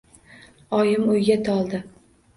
Oyim o‘yga toldi.